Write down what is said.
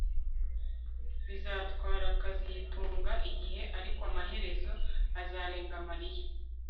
Bizatwara kazitunga igihe ariko amaherezo azarenga Mariya